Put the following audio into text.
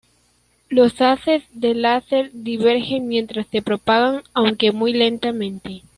Los haces del láser divergen mientras se propagan, aunque muy lentamente.